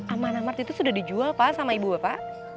amanah mart itu sudah dijual pak sama ibu bapak